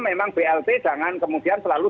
memang blt jangan kemudian selalu